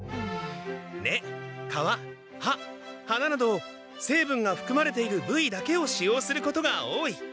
根皮葉花などせいぶんがふくまれているぶいだけを使用することが多い。